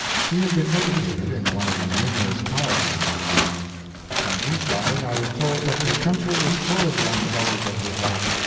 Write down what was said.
He had been educated in one of the numerous colleges of India. Upon inquiry I was told that the country was full of young fellows of his like.